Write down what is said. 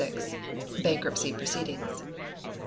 Bankruptcy Proceedings.